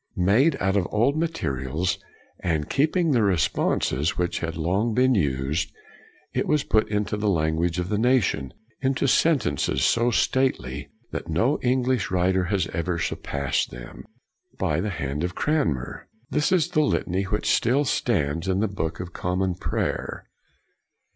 Made out of old materials, and keeping the re sponses which had long been used, it was put into the language of the nation, into sentences so stately that no English writ ing has ever surpassed them, by the hand of Cranmer. This is the litany which still stands in the Book of Common Prayer.